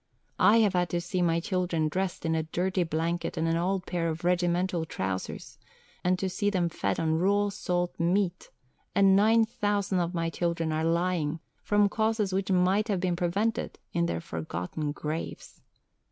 I have had to see my children dressed in a dirty blanket and an old pair of regimental trousers, and to see them fed on raw salt meat, and nine thousand of my children are lying, from causes which might have been prevented, in their forgotten graves.